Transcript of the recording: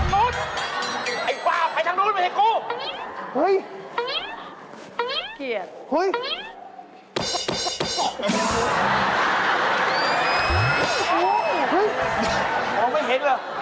น้องไม่เห็นเหรอ